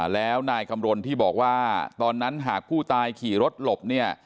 แล้วนายคำรณที่บอกว่าตอนนั้นหากผู้ตายขี่รถหลบเนี่ย